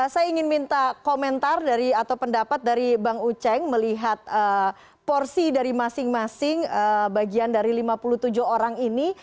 saya ingin minta komentar atau pendapat dari bang uceng melihat porsi dari masing masing bagian dari lima puluh tujuh orang ini